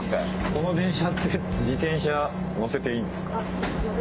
この電車って自転車のせていいんですか？